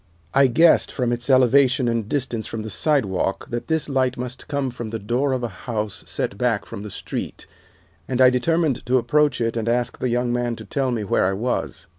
I guessed from its elevation and distance from the side walk that this light must come from the door of a house set back from the street, and I determined to approach it and ask the young man to tell me where I was.